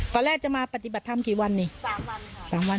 ตอนแรกจะมาปฏิบัติธรรมตั้งประมาณ๓วัน